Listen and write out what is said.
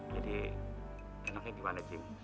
jadi enaknya gimana cing